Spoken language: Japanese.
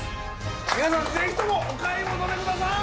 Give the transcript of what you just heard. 皆さんぜひともお買い求めください！